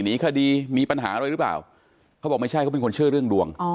หนีคดีมีปัญหาอะไรหรือเปล่าเขาบอกไม่ใช่เขาเป็นคนเชื่อเรื่องดวง